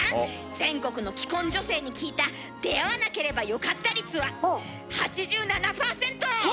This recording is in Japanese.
全国の既婚女性に聞いた出会わなければよかった率は８７％！へえ！